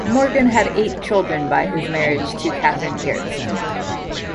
Morgan had eight children by his marriage to Catherine Garretson.